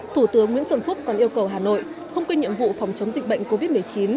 thủ tướng nguyễn xuân phúc còn yêu cầu hà nội không quên nhiệm vụ phòng chống dịch bệnh covid một mươi chín